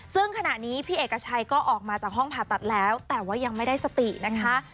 ซึ่งขณะนี้พี่เอกชัยก็ออกมาจากห้องผ่าตัดแล้วแต่ว่ายังไม่ได้สตินะคะ